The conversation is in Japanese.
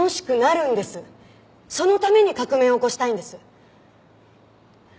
そのために革命を起こしたいんです。